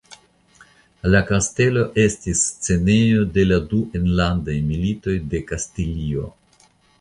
La kastelo estis scenejo de la du enlandaj militoj de Kastilio.